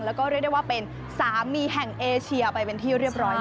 แล้วก็เรียกได้ว่าเป็นสามีแห่งเอเชียไปเป็นที่เรียบร้อยแล้ว